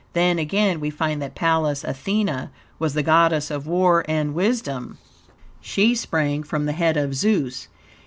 Then, again, we find that Pallas Athene was the goddess of war and wisdom. She sprang from the head of Zeus.